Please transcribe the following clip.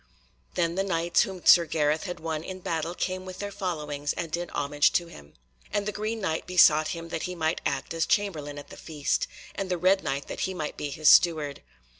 Then the Knights whom Sir Gareth had won in battle came with their followings and did homage to him, and the Green Knight besought him that he might act as chamberlain at the feast, and the Red Knight that he might be his steward.